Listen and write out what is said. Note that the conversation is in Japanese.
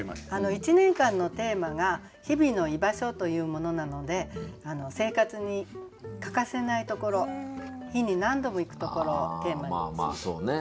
１年間のテーマが「日々の居場所」というものなので生活に欠かせないところ日に何度も行くところをテーマに持ってきました。